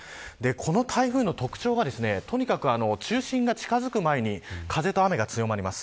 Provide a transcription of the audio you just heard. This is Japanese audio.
この台風の特徴はとにかく中心が近づく前に風と雨が強まります。